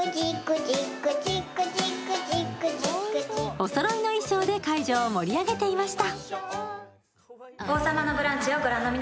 おそろいの衣装で会場を盛り上げていました。